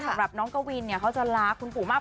สำหรับน้องกวินเนี่ยเขาจะรักคุณปู่มาก